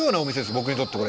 僕にとってこれ。